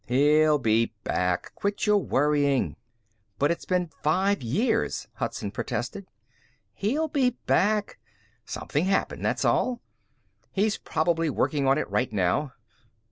"He'll be back. Quit your worrying." "But it's been five years," Hudson protested. "He'll be back. Something happened, that's all. He's probably working on it right now.